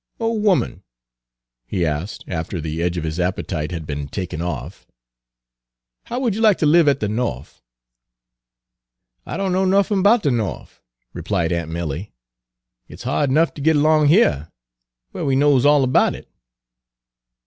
"Ole 'oman," he asked, after the edge of his appetite had been taken off, "how would you lack ter live at de Norf?" "I dunno nuffin' 'bout de Norf," replied aunt Milly. "It 's hard 'nuff ter git erlong heah, whar we knows all erbout it."